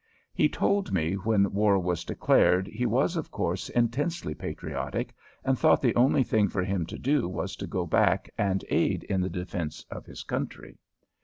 He told me when war was declared he was, of course, intensely patriotic and thought the only thing for him to do was to go back and aid in the defense of his country.